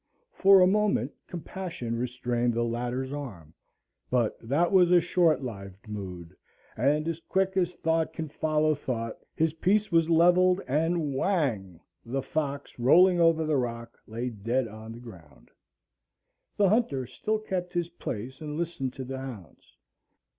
For a moment compassion restrained the latter's arm; but that was a short lived mood, and as quick as thought can follow thought his piece was levelled, and whang!—the fox rolling over the rock lay dead on the ground. The hunter still kept his place and listened to the hounds.